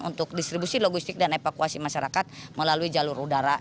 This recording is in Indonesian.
untuk distribusi logistik dan evakuasi masyarakat melalui jalur udara